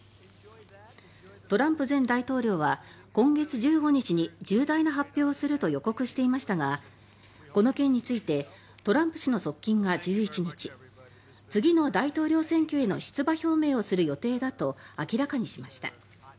トランプ前大統領は今月１５日に重大な発表をすると予告していましたがこの件についてトランプ氏の側近が１１日次の大統領選挙への出馬表明をする予定だと明らかにしました。